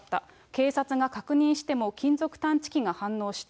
警察が確認しても金属探知機が反応した。